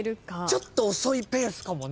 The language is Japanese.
ちょっと遅いペースかも。